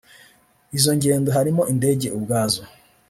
Izo ngendo harimo indege ubwazo